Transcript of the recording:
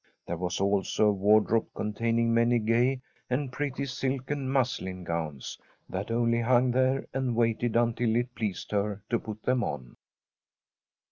There was also a wardrobe containing many gay and pretty silk and muslin gowns that only hung there and waited until it pleased her to put them on.